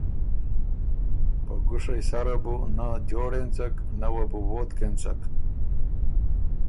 په ګوشئ سره بُو نۀ جوړ اېنڅک، نۀ وه بو ووتک اېنڅک۔